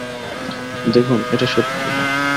দেখুন, এটা সত্যি।